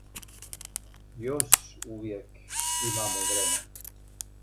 Још увијек имамо времена.